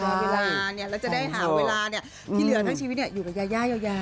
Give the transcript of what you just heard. แล้วจะได้หาเวลาที่เหลือทั้งชีวิตอยู่กับยา